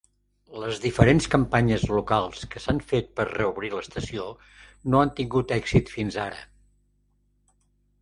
Les diferents campanyes locals que s'han fet per reobrir l'estació no han tingut èxit fins ara.